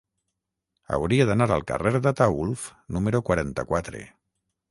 Hauria d'anar al carrer d'Ataülf número quaranta-quatre.